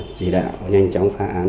chỉ đạo nhanh chóng phá án